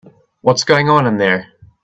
What's going on in there?